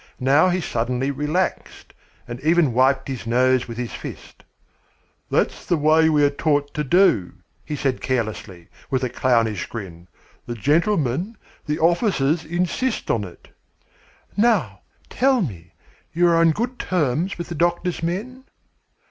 Now he suddenly relaxed, and even wiped his nose with his fist. "That's the way we are taught to do," he said carelessly, with a clownish grin. "The gentlemen, the officers, insist on it." "Now, tell me, you are on good terms with the doctor's men?"